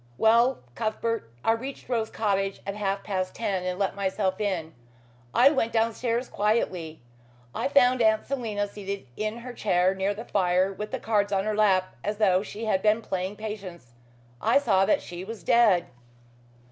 Well, Cuthbert, I reached Rose Cottage at half past ten and let myself in. I went downstairs quietly. I found Aunt Selina seated in her chair near the fire with the cards on her lap, as though she had been playing 'Patience.' I saw that she was dead."